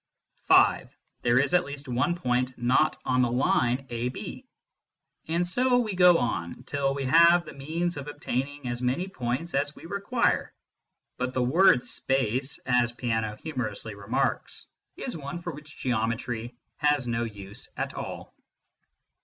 (5) There is at least one point not on the line ab. And so we go on, till we have the means of obtaining as many points as we require. But the word space, as Peano humorously remarks, is one for which Geometry has no use at all.